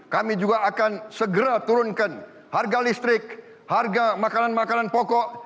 kami juga akan segera turunkan harga listrik harga makanan makanan pokok